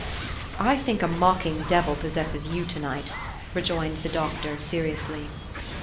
"I think a mocking devil possesses you to night," rejoined the Doctor, seriously.